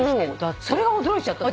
それが驚いちゃった。